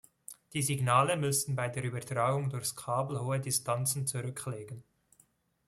Die Signale müssen bei der Übertragung durchs Kabel hohe Distanzen zurücklegen.